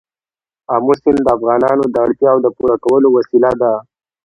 آمو سیند د افغانانو د اړتیاوو د پوره کولو وسیله ده.